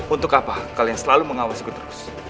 untuk apa kalian selalu mengawasi ku terus